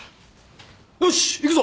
よし行くぞ。